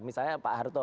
misalnya pak harto